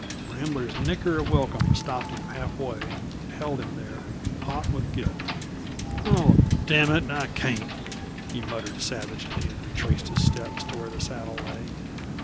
Rambler's nicker of welcome stopped him half way and held him there, hot with guilt. "Oh, damn it, I can't!" he muttered savagely, and retraced his steps to where the saddle lay.